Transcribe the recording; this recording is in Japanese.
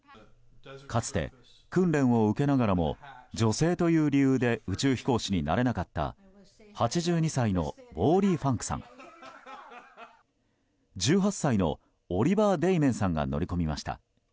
かつて、訓練を受けながらも女性という理由で宇宙飛行士になれなかった８２歳のウォーリー・ファンクさん１８歳のオリバー・デイメンさんが乗り込みました。